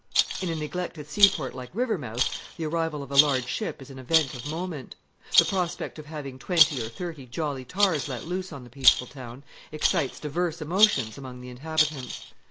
In a neglected seaport like Rivermouth the arrival of a large ship is an event of moment. The prospect of having twenty or thirty jolly tars let loose on the peaceful town excites divers emotions among the inhabitants.